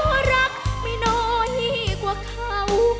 กูก็รักไม่น้อยกว่าเขา